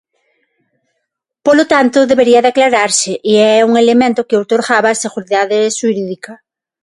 Polo tanto, debería de aclararse, e é un elemento que outorgaba seguridade xurídica.